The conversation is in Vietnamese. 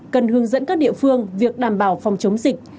cần hướng dẫn các địa phương việc đảm bảo phòng chống dịch